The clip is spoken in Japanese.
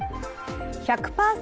１００％